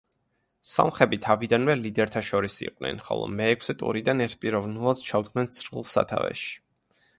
სომხები თავიდანვე ლიდერთა შორის იყვნენ, ხოლო მეექვსე ტურიდან ერთპიროვნულად ჩაუდგნენ ცხრილს სათავეში.